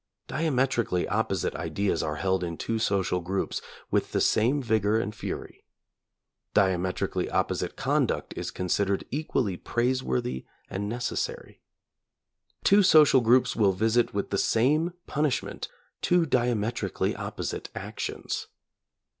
Diametrically opposite ideas are held in two social groups with the same vigor and fury; diametrically opposite conduct is considered equally praiseworthy and necessary; two social groups will visit with the same punishment two diametrically opposite actions.